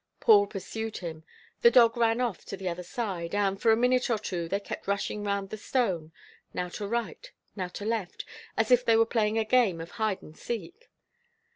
Paul pursued him; the dog ran off to the other side; and, for a minute or two, they kept rushing round the stone, now to right, now to left, as if they were playing a game of hide and seek.